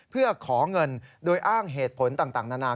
เพื่อขอเงินโดยอ้างเหตุผลต่างนานา